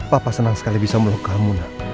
papa senang sekali bisa melukamu nak